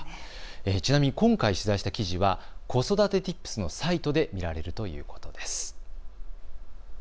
ちなみに今回、取材した記事は子育てＴｉｐｓのサイトで見られるということです。